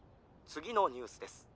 つぎのニュースです。